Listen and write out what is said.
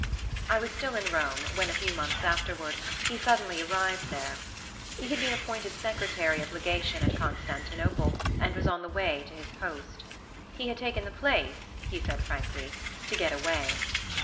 I was still in Rome when, a few months afterward, he suddenly arrived there. He had been appointed secretary of legation at Constantinople and was on the way to his post. He had taken the place, he said frankly, "to get away."